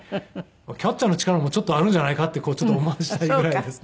キャッチャーの力もちょっとあるんじゃないかって思わせたいぐらいですね。